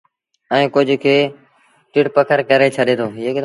ائيٚݩٚ ڪجھ کي ٽڙ پکڙ ڪري ڇڏي دو۔